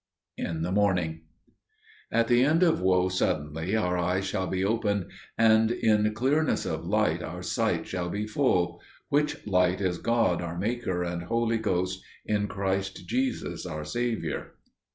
In the Morning "At the end of woe suddenly our eyes shall be opened, and in clearness of light our sight shall be full: which light is God, our Maker and Holy Ghost, in Christ Jesus our Saviour."